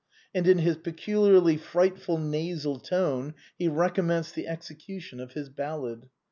And in his peculiarly frightful nasal tone he recommenced the execution of his ballad.